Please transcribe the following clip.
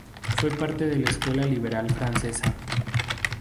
Fue parte de la Escuela liberal francesa.